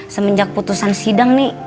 semenjak putusan sidang nih